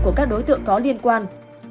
của các đối tượng có liên quan